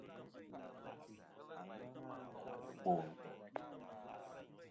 Anjaŋ-a kel Bo ntè'.